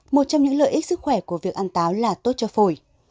một trong những lợi ích sức khỏe của việc ăn táo là tốt cho phổi